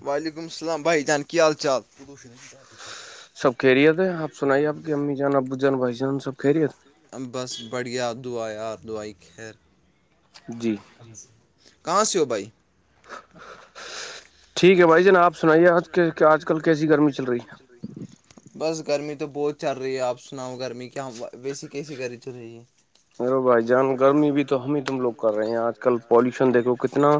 ل وعلیکم السلام بھائی جان کیا حال چال سب خہریت ہے آپ سنائیے آپ کی امی جان ابو جان بھائی جان سب خہرییت بس بڑھیا دا آر دائی خیر [unintelligible] جی [inaudible] کہاں سے ہو بھائی تو [inaudible] ٹھیک ہے بھائی ج نا آپ سنائیے ح کہ آج کل کیسی گرمی چل رہی ہے بس گرمی تو بہت چل رہی ہے آپ سناؤ گرمی کہ بیسی کیسی کری چ رہی ہے [unintelligible] ارو بھائی جان گرمی بھی تو ہم ہی تم لوگ کر رہے ہیں آج کل پالوشن دیکھو کتنا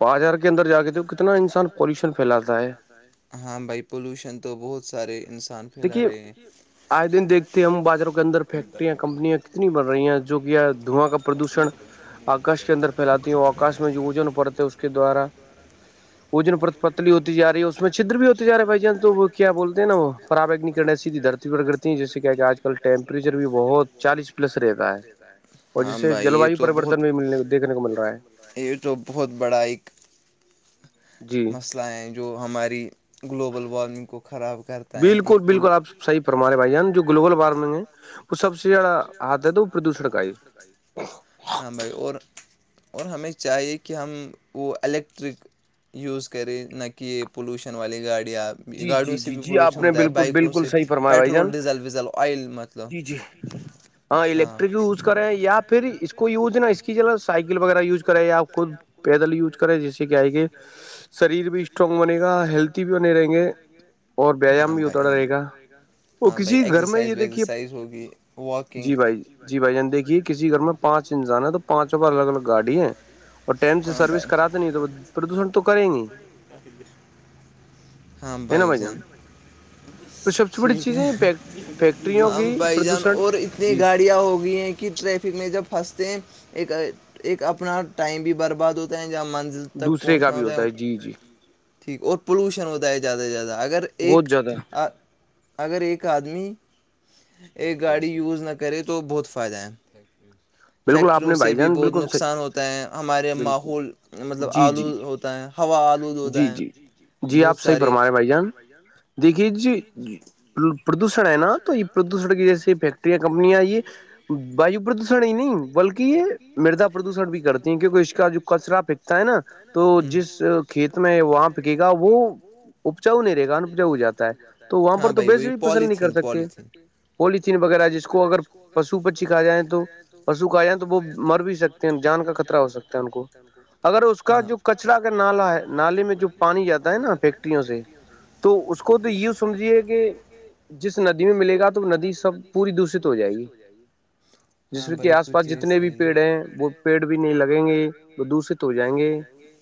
با ہار کے اندر جا گے تو کتنا انسان انان پشن پھیاتا ہے ہاں بھائی پولوشن تو بہت سارے انسان کان پھیلا رہے ہیں [unintelligible] آج دن دیکتے ہیں ہم بازاروں کے اندر فیکٹریاں کمپنیاں کتنی بن رہی ہیں جو کہ دھواں کا پردوشن آکاش کے اندر پھیلاتی ہوں اور آکاش میں جو وجن پڑتا ہے اس کے دوارا اجن پر پتلی ہوتی ج رہی ہے اس میں چدر بھی ہوتی جا ہے بائی چانس تو وہ کیا بولتے ہیں نا وہ فراب ایک نک کرنے سیدھی دھرتی پرگڑتی ہیں جیسے کیا کہ آج کل ٹیمپریچر بھی بہت چالیس پلس رہتا ہے اور جس سے جل واو پریوررتن بھی ملنے دیکنے کو مل رہا ہے یو تووب بہت بڑا ایک جی ملیں جو ہماری گلوبل وارمنگ کو خراب کرتے بالکل بالکل آپ صحی پرمار رہے بھائی جان جو گلوبل وارمنگ ہے وہ سب سے جا ہاتھ ہے تو وہ پردوشن کائی ہاں بھائی اور اور ہمیں چاہیے کہ ہم وہ الیکٹرک یوز کرے نہ کہ یہ پولوشن والی گاڑیاںپ جی جی جی جی آپ نے بالکل بالکل صحیح فرمایا بھائی جان جی جی ہاں الیکٹرک یوز کرے یا پھر اس کو یوز نا اس کی سائیکل وغیرہ یوز کرے یا خود پیدل یوز کرے جس سے کیا آئے کہ شریر بھی اسٹرانگ بنے گا ہیلدی بھی بنے رہیں گ اور ویایام بھی ہو تھوڑا رہے گا وہ کسی گھر میں یہ دیکھیے جی بھائی جی بھائی جان دیکھیے کسی گھر میں پانچ انسان ہے تو پانچوں پر الگ الگ گاڑی ہے اور ٹائم سے سروس کراتے نہیں تو پردوشن تو کریں گی ہاں بھائی جان ٹھیک ہے ہم بھائی جان اور اتنی گاڑی ہو گئی ہیں کہ ٹریفک میں جب پھنستے ہیں ایک ایک اپنا ٹائم بھی برباد ہوتا ہے جہ منزل تک پہنچنا ہوتا ہے جی جی ٹھیک اور پولوشن ہوتا ہے زیاد سے زیاد اگر ایک اگر ایک آدمی ایک گاڑی یوز نہ کرے تو بہت فائدہ ہے تھیک یو فیکٹریوں سے بھی بہت نقصان ہوتا ہے ہمارے ماحول مطلب آلو ہوتا ہے جی جی جی آپ صحی پرما رہے ہیں بھائی جان دیکھیے جی پردوشن ہے نا تو یہ پردوشن کی جیسے فیکٹریاں کمپنیاں یہ واو پردوشن ان نہیں بلکہ یہ مردا پردوشن بھی کرتی ہیں کیکہ اس کا جو کچرا پھکتا ہے نا تو جس کھیت میں وہاں پکے گا وہ اپجاؤ نہیں رہے گا انپچاؤ ہو جاتا ہے تو وہاں پر تو بییس بھی فصل نک پال پالتھین وغیرہ جس کو اگر پشو پ چکھا جائے تو پشو کا آیا ہیں تو وہ مر بھی سکتے ہیں جان کا خطرہ ہو سکتا ہے ان کو اگر اس کا جو کچرا کا نالا ہے نالے میں جو پانی جاتا ہے نا فیکٹریوں سے تو اس کو کو تو ی سمجھیے کہ جس ندی میں ملے گا تو ندی سب پوری دشت ہو جائے گی ہاں بھائی سوچے اتنے بھی پیڑ ہیں وہ پیڑ بھی نہیں لگیں گے وہ دشت ہو جائیں گے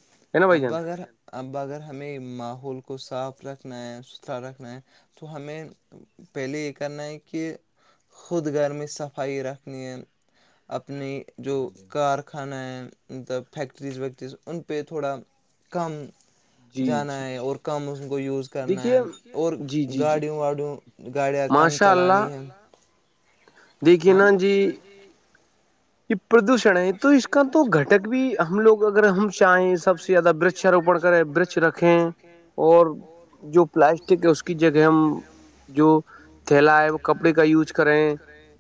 اباغھر اب اگر ہمیں ماحول کو صاف رکھنا ہے ستھرا رکھنا ہے تو ہمیں پہلے یہ کرنا ہے کہ خود گھر میں صفائی رکھنیے اپنی جو کارخانہ ہے مطلب فیکٹریز ویکٹریز ان پہ تھوڑا کم جانا ہے اور کم اس کو یوز کرنا ہے اور گاڑیوں واڑیوں گاڑیاں کم چلانی ہیں دیکھیے نہا جی یہ پردوشن ہے تو اس کا تو گھٹک بھی ہم لوگ اگر ہم چاہیں سب سے زیادہ وچاروپن کریں رکھیں اور جو پلاسٹک ہے اس کی جگہ ہم جو تھیلا ہے وہ کپڑے کا یوز کرے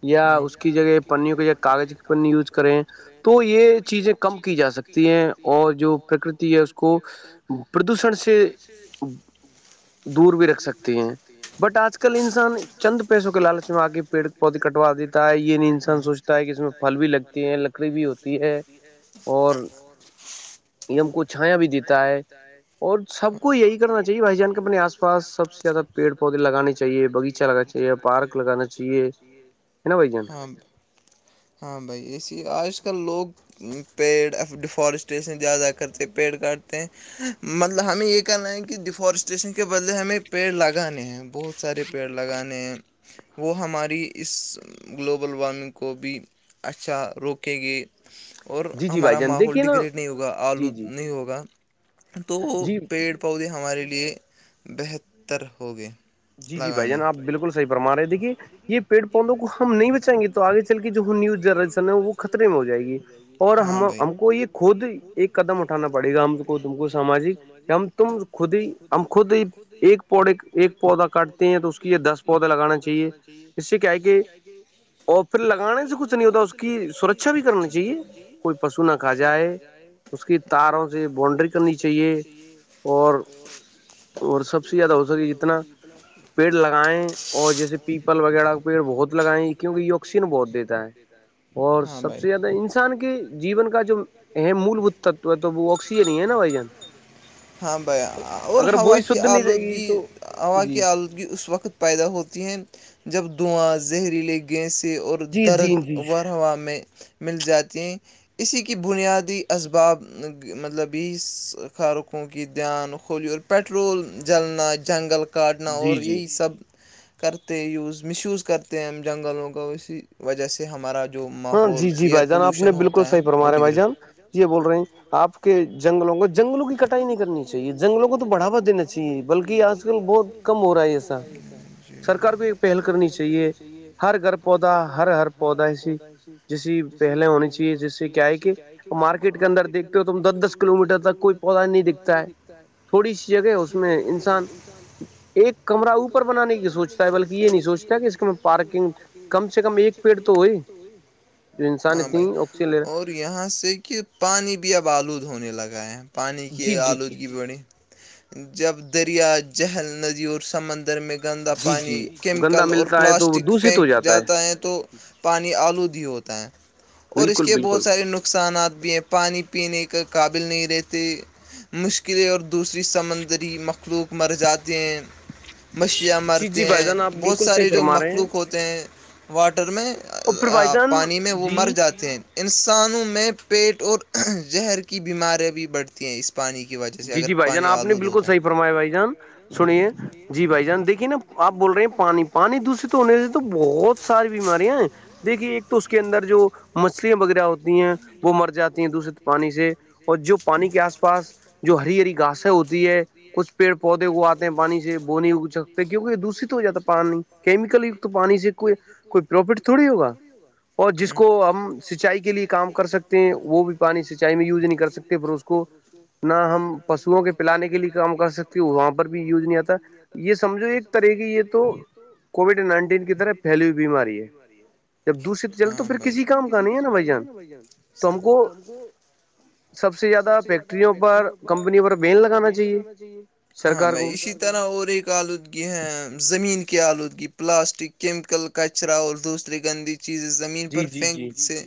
یا اس کی جگہ پنیوں کے ج کاغذ کی پنی کریں تو یہ چیزیں کم کی جا سکتی ہیں اور جو پرکرتی ہے اس کو پردوشن سے دور بھی رکھ سکتی ہیں بٹ آج کل انسان چند پیسوں کے لالچ میں آ کے پیڑ بہت ہی کٹوا دیتا ہے یہ نہیں انسان سوچتا ہے کہ اس میں پل بھی لگ پل بھی لگتی ہے لکڑی بھی ہوتی ہے اور [unintelligible] نم کو چھایا بھی دیتا ہے اور سب کو یہی کرنا چاہیے بھائی جان کے اپنے آس پاس سب [unintelligible] زیادہ پیڑ پودے لگانے چاہیے بغیچہ لگانا چاہے پارک لگانا چاہیے ہے نا بھان ہاں بھائی ایے آج کل لوگ پیڑ ڈیفارسٹیریشن زیادہ کرتے ہیں پیڑ کاٹتے ہیں مطلب ہمیں یہ کہنا ہے کہ ڈیفورسٹیشن کے بدلے ہمیں پیڑ لگانے ہیں بہت سارے پیڑ لگانے ہیں وہ ہماری اس گلوبل وارمنگ کو بھی اچھا روکیں گے اور ہمارا ماحول ڈگریڈ نہیں ہوگا آلود نہیں ہوگا تو پیڑ پودے ہمارے لیے بہتر ہو گئے جی جی بھائی جان آپ بالکل صح فرماے ہیں دیکھی یہ پیڑ پودوں کو ہم نہیں بچائیں گے تو آگے چل کے جو نیوز رسن وہ خطرے میں ہو جائے گی اور ہم کو یہ خود ایک قدم اٹھا ا پڑے گا ہم کو تم کو ساماجک کہ ہم تم خود ہی ہم خود ہی ایک پڑک ایک پودا کاٹتے ہیں تو اس کے یہ دس پودے لگانا چاہیے اس سے کیا ہے کہ اور پھر لگانے سے کچھ نہیں ہوتا اس کی سرکچا بھی کرنی چاہیے کوئی پشو نہ کھا جائے اس کے تاروں سے بونڈری کرنی چاہیے اور [unintelligible] اور سب سے زیادہ ہو سکے جتنا پیڑ لگائیں اور جیسے پیپل وغیرہ پیڑ بہت لگائیں کیونکہ یہ آکسین بہت دیتا ہے اور سب سے زیادہ انسان کے جیون کا جو یہ مول بت تو ہے تو وہ آکسیجن ہی ہے نا بھ جن اگر وہئی شھ نہیں رہے گی تو ہووا کی آلودگی اس وقت پیدا ہوتی ہے جب دعاں زہریلے گیسے اور درد ہوا میں مل جاتی ہیں اسی کی بنیادی اسباب مطلب اس خارقوں کی دھیان کھولی اور پٹرول جلنا جنگل کا کاٹنا اور یہی سب کرتے یوز مس یوز کرتے ہیں ہم جنگلوں کو اسی وجہ سے ہمارا جو ماحول ایئر پولوشن ہوتا ہے وہ ڈگریڈ جی بول رہی ہیں آپ کے جنگلوں کو جنگلوں کی کٹائی نہیں کرنی چاہیے جنگلوں کو تو بڑاوا دینا چاہیے بلکہ آج کل بہت کم ہو رہا ہے ایسا سرکار کو ایک پہل کرنی چاہیے ہر گھر پودا ہر ہر ہر ہر پودا اس [unintelligible] جسے پہلے ہونی چاہیے جس سے کیا ہے کہ مارکیٹ کے اندر دیکھتے ہو تم دس دس کلو میٹر تک کوئی پودا نہیں دکھتا ہے تھوڑی شیریں ہوتی ہے انسان [unintelligible] کمر اوپر بنانے کی سوچتا ہے بلکہ یہ نہیں سوچتا کہ اس کے پارکنگ کم سے کم ایک پیڑ تو ہوئے جو انسان اتنی آکسیجن لے رہا یہاں سے کہ پانی بھی اب آلود ہونے لگا ہیں پانی کی آلود کی بھی بڑی جب دریا جہل ندیوں اور سمندر میں گندا پانی کیمیکل اور پلاسٹک پھینک جاتا ہے تو پانی آلودی ہوتا ہے اور اس کے بہت سارے نقصانات بھی ہیں پانی پینے کے قابل نہیں رہتا مشکلیں اور دوسری سمندری مخلوق مر جاتے ہیں مچیاں مارتی ہیں بہت سارے جو مخلوق ہوتے ہیں واٹر میں پانی میں وہ مر جاتے ہیں انسانوں میں پیٹ اور زہر کی بیماریاں بھی بڑھتی ہیں اس پانی کی وجہ جی جی بھائی جان آپ نے بالکل صحی فرمایا بھائی جان سنیے جی بھائی جان دیکھیے نا آپ بول رہے ہیں پانی پانی دوشت ہونے سے تو بہت ساری بیماری ہے دیکھیے ایک تو اس کے اندر جو مچھلیاں وغیرہ ہوتی ہیں وہ مر جاتی ہیں دشت پانی سے اور جو پانی کے آس پاس جو ہری ہری گاسیں ہوتی ہے کچھ پیڑ پودے کو آتے ہیں پانی سے بونی ا کیونکہ یہ دوشت ہو جاتا پانی کیمیکل کت پانی سے کوئی کوئی پروفٹ تھوڑی ہوگا اور جس کو ہم سینچائی کے لیے کام کر سکتے ہیں وہ بھی پانی سینچائی میں یوز نہیں کر سکتے پھر اس کو نہ ہم پشوؤ کے پلانے کے لیے کام کر سکتے ہو وہاں پر بھی یوج نہیں آتا یہ سم یہ سمجھو ایک طرح کی یہ تو کووڈ نائنٹین کی طرح پھیلی ہوئی بیماری ہے ہاں تو پھر کسی کام کا نہیں ہے نا بھائی جان تو ہم کو سب سے زیادہ فیکٹر فٹریوں کمپنی لگانا چاہیے ہاں میں اسی طرح اور ہی کال ہیں زمین کی آلودگی پلاسٹک کیمیکل کچرا اور دوسری گندی چیزیں زم ین پر پھینک سے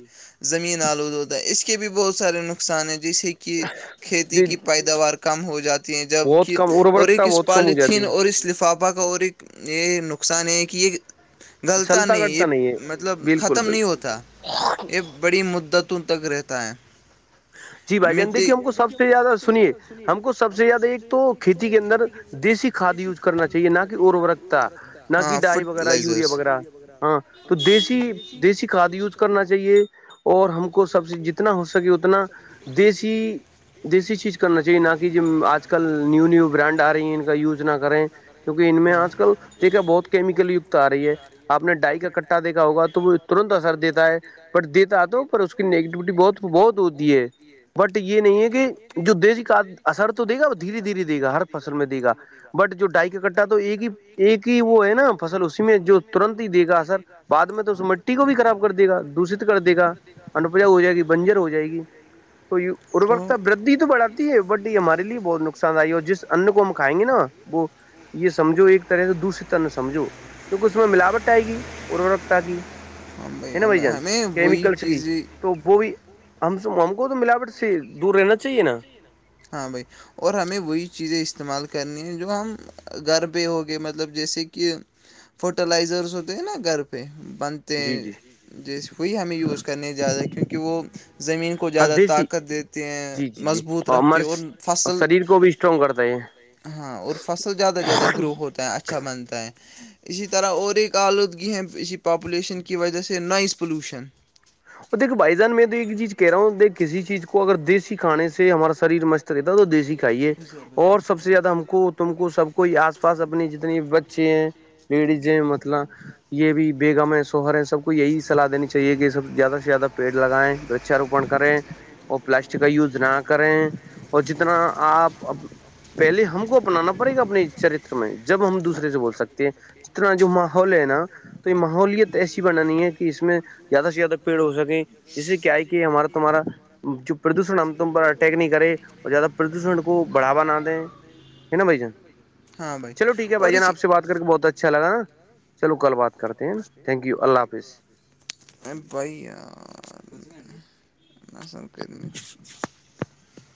زمین آلود ہوتا ہے اس کے بھی بہت سارے نقخ نقصان ہے جس سے کہ کھیتی کی پیداوار کم ہو جاتی ہیں جبکہ اور ایک اس پالیتھین اور اس لفافے پبا کا اور یہ نقصان ہے کہ یہ گلتا نہیں یہ مطلب ختم نہیں ہوتا یہ بڑی مدتوں تک رہتا ہے جی بھائی جان دیکھیے ہم کو سب سے زیادہ سنیے ہم کو سب سے زیادہ ایک تو کھیتی کے اندر دیسیھاد یوز کرنا چاہیے نہ کہ ارورکتا نہ کہ ڈائی وغیرہ یوریا وغیرہ ہاں تو دیسی دیسی کاد یوز کرنا چاہیے اور ہم کو سبسی جتنا ہو سکے اتنا دیسی دیسی چیز کرنا چاہیے نہ کہ ج آج کل نیو نیو برانڈ آ رہی ہیں ان کا یوز نہ کریں کیونکہ ان میں آج کل دیکھے بہت کیمیکل یکت آ رہی ہے آپ نے ڈائی کا کٹا دیکھا ہوگا تو وہ ترنت اثر دیتا ہے بٹ دیتا تو پر اس کی نیگیٹیوٹی بہت بہت ہوتی ہے بٹ یہ نہیں ہے کہ جو دیش کا اثر تو دے گا وہ دھیرے دھیرے دے گا ہر فصل میں دے گا بٹ جو ڈائی کا کٹھا تو ایک ہی ایک ہی وہ ہے نا فصل اس میں جو ترنت ہی دے گا ا سر بعد میں تو اس مٹی کو بھی خراب کر دے گا دوشت کر دے گا انپجا ہو جائے گی بنجر ہو جائے گی تو یہ اروورتاب ودی تو بڑاتی ہے بٹ یہ ہمارے لیے بہت نقصان دہ ہے اور جس ان کو ہم کھائیں گے نا وہ یہ سمجھو ایک طرح سے دوسری طرح نہ سمجھو کیکہ اس میں ملاوٹ آئے گی اروکتا کی ا بھائی ا بھائی ہمیں وہی چیزیں تو وہ بھی ہم کو تو ملاوٹ سے دور رہنا چاہیے نا ہاں بھائی اور ہمیں وہی چیزیں استعمال کرنی ہیں جو ہم گھر پہ ہوگئے مطلب جیسے کہ فرٹیلائزرس ہوتے ہیں نا گھر پہ بن تو جیس وہی ہمیں یوز کرنے زیادہ کیونکہ وہ زمین کو زیادہ طاقت دیتے ہیں مضبوط رکھ اور فصل ہاں اور فصل زیاد زیادہ گرو ہوتا ہے اا اچھا بنتا ہے اسی طرح اور ایک آلودگی ہے اسی پاپولیشن کی وجہ سے نوائز پلیوشن دیکو بائی جان میں تو ایک چیز کہہ رہا ہوں د کسی چیز کو اگر د کھانے سے ہمارا شریر مست رہتا ہے تو دیسی کھائیے اور سب سے زیادہ ہم کو تم کو سب کو ہی آس پاس اپنی جتنی بچے ہیں لیڈیز ہیں مطلب یہ بھی بیگم ہے سوہر ہے سب کو یہی صلاح دینی چاہیے کہ یہ سب زیادہ سے زیادہ پیڑ لگائیں وچاروپن کریں وہ پلاسٹک کا یوز نہ کریں اور جتنا آپ پہلے ہم کو اپنانا پڑے گا اپنے چرتر میں جب ہم دوسرے سے بول سکتے ہیں ج طنا جو ماحول ہے نا تو یہ ماحولت ایسی بنانی ہے کہ اس میں زیادہ سے زیادہ پیڑ ہو سکے جس سے کیا ہے کہ ہمارا تمہارا جو پردوشن ہم تم پر اٹیک نہیں کرے اور زیادہ پردوشن کو بڑاوا نہ دیں ہے نا بھائی جان چلو ٹھیک ہے بھائی جان آپ سے بات کر کے بہت اچھا لگا نا چلو کل بات کرتے ہیںا تھینک یو اللہ حافظ ا پائ آ نصب کرمت [unintelligible]